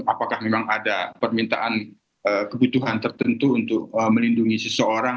apakah memang ada permintaan kebutuhan tertentu untuk melindungi seseorang